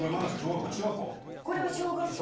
これは小学校？